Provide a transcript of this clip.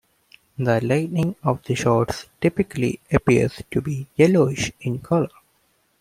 The lighting of the shots typically appears to be yellowish in color.